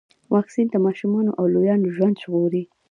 واکسین د ماشومانو او لویانو ژوند ژغوري.